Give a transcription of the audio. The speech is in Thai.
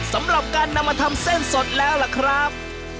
สำหรับการนำมาทำเส้นสดแล้วล่ะครับ